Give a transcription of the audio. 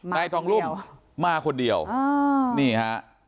นายทองรุ่มมาคนเดียวนี่ฮะ